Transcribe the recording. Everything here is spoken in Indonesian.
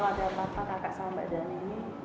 kalau ada bapak kakak sama mbak dani ini